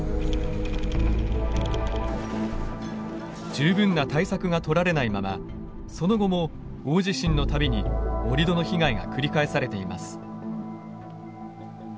十分な対策がとられないままその後も大地震の度に盛土の被害が繰り返されています。